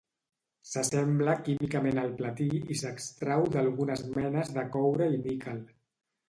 S'assembla químicament al platí i s'extrau d'algunes menes de coure i níquel.